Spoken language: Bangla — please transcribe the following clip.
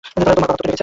তোর বাবা তোকে ডাকছে!